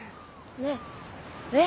ねええっ？